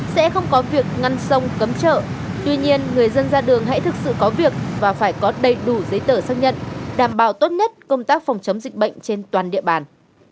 sẽ không có việc ngăn sông cấm chợ tuy nhiên người dân ra đường hãy thực sự có việc và phải có đầy đủ giấy tờ xác nhận đảm bảo tốt nhất công tác phòng chống dịch bệnh trên toàn địa bàn